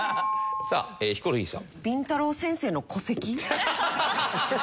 さあヒコロヒーさん。